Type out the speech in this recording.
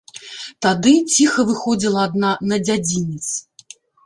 Тады ціха выходзіла адна на дзядзінец.